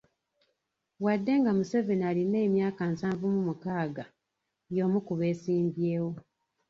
Wadde nga Museveni alina emyaka nsavu mu mukaaga, y'omu ku beesimbyewo.